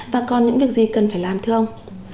và còn những việc gì cần phải làm thưa ông